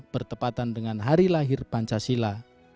bertepatan dengan hari lahir pancasila